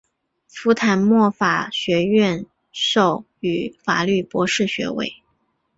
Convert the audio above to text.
福坦莫法学院授予法律博士学位。